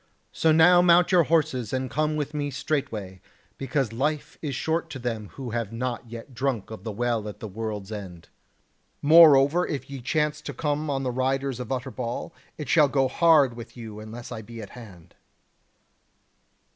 So now mount your horses and come with me straightway; because life is short to them who have not yet drunk of the Well at the World's End. Moreover if ye chance to come on the riders of Utterbol, it shall go hard with you unless I be at hand."